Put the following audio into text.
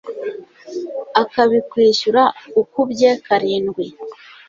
akabikwishyura ukubye karindwi